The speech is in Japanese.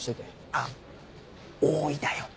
あっ「大井」だよ。